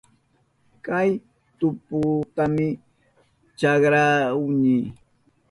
Kay tuputami chakrahuni.